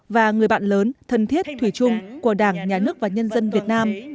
và người bạn lớn thân thiết thủy chung của đảng nhà nước và nhân dân việt nam